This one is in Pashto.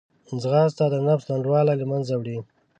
ځغاسته د نفس لنډوالی له منځه وړي